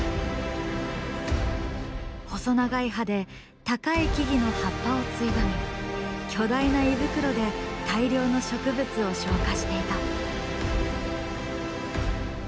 細長い歯で高い木々の葉っぱをついばみ巨大な胃袋で大量の植物を消化していた。